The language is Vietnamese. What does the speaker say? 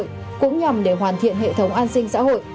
cũng nhằm để hoàn thiện hệ thống an sinh xã hội